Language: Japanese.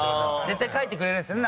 絶対書いてくれるんですよね。